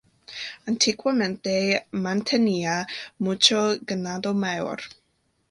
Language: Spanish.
Antiguamente mantenía mucho ganado mayor.